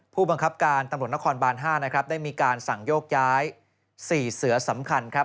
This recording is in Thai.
ผู้บังคับการตำรวจนครบาน๕นะครับได้มีการสั่งโยกย้าย๔เสือสำคัญครับ